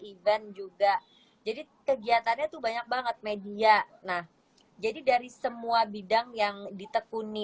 event juga jadi kegiatannya tuh banyak banget media nah jadi dari semua bidang yang ditekuni